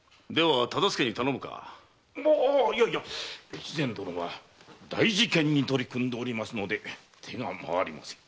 越前殿は大事件に取り組んでおりますので手が廻りません。